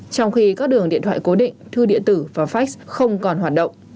trong khi các đường điện thoại cố định thư điện tử và fax không còn hoạt động